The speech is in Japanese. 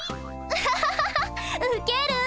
ハハハハハウケる。